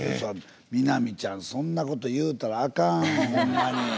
美波ちゃんそんなこと言うたらあかんほんまに。